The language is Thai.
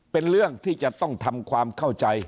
เป็นเรื่องที่จะต้องทำความเข้าใจ